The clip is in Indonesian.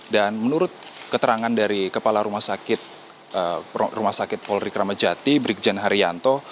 dan menurut keterangan dari kepala rumah sakit polri kramajati brigjen haryanto